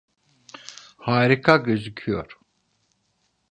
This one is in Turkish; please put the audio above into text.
Harika gözüküyor.